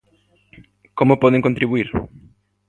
Como poden contribuír?